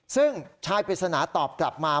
ซึ่งชายปริศนาตอบกลับมา